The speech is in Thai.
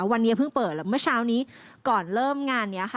วันนี้พึ่งเปิดเมื่อเช้านี้ก่อนเริ่มงานนี่